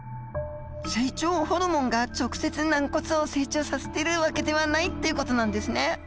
成長ホルモンが直接軟骨を成長させている訳ではないっていう事なんですね。